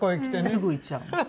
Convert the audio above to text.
すぐ言っちゃうの。